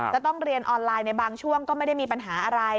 จะต้องเรียนออนไลน์ในบางช่วงก็ไม่ได้มีปัญหาอะไร